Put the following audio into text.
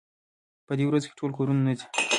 په دې ورځو کې ټول کورونو ته ځي.